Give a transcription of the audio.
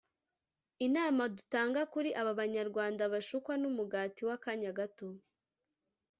Inama dutanga kuri aba banyarwanda bashukwa n’umugati w’akanya gato